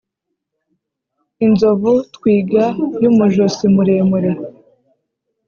inzovu, twiga y'umujosi muremure